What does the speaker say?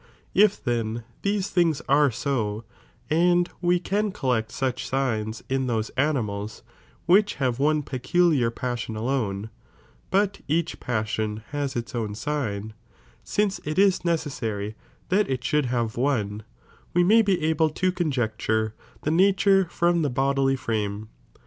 If then these things are so, and we can collect such signs in those animals, which have one pr'culiar paasion alone, but each (passion) haa its (own) sign, since it is necessary that it should have one, we may be able to conjecture the nature from the bodily frame.